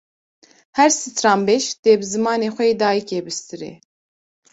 Her stranbêj, dê bi zimanê xwe yê dayikê bistirê